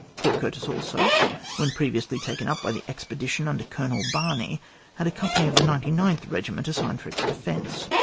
Port Curtis also, when previously taken up by the expedition under Colonel Barney, had a company of the 99th Regiment assigned for its defence.